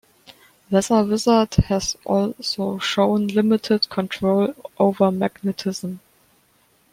Weather Wizard has also shown limited control over magnetism.